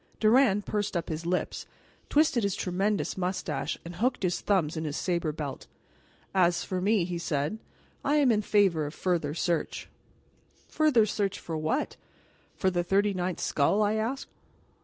Durand pursed up his lips, twisted his tremendous mustache, and hooked his thumbs in his saber belt. "As for me," he said, "I am in favor of further search." "Further search for what for the thirty ninth skull?" I asked.